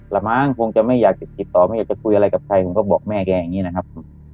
ละมั้งคงจะไม่อยากติดต่อไม่อยากจะคุยอะไรกับใครผมก็บอกแม่แกอย่างนี้นะครับ